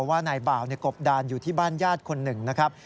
ว่านายบ่าวกบดานอยู่ที่บ้านญาติคนหนึ่งนะครับ